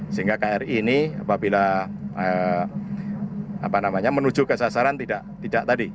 sehingga kri ini apabila menuju ke sasaran tidak tadi